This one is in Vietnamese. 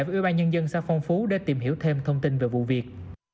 với ubnd xã phong phú để tìm hiểu thêm thông tin về vụ việc